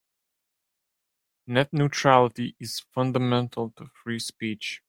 Net neutrality is fundamental to free speech.